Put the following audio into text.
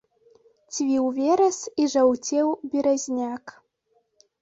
Цвіў верас, і жаўцеў беразняк.